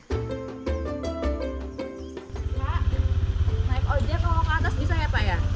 pak naik ojek kalau ke atas bisa ya pak ya